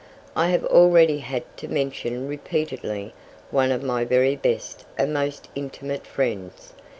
I have already had to mention repeatedly one of my very best and most intimate friends.